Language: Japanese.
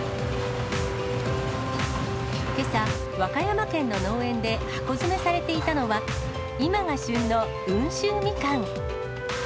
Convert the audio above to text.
けさ、和歌山県の農園で箱詰めされていたのは、今が旬の温州ミカン。